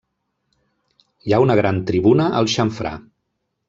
Hi ha una gran tribuna al xamfrà.